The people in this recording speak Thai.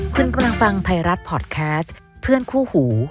คุณกำลังฟังไทยรัฐพอร์ตแคสต์เพื่อนคู่หู